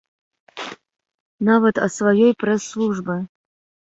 Нават ад сваёй прэс-службы!